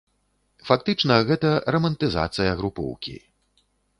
Фактычна гэта рамантызацыя групоўкі.